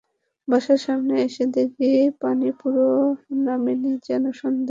বাসার সামনে এসে দেখি পানি পুরো নামেনি, যেন সন্ধ্যার আগতদের অপেক্ষায়।